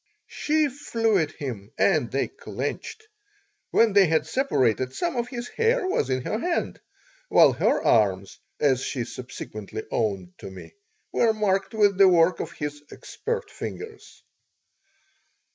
She flew at him and they clenched. When they had separated, some of his hair was in her hand, while her arms, as she subsequently owned to me, were marked with the work of his expert fingers.